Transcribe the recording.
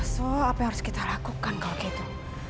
so apa yang harus kita lakukan kalau gitu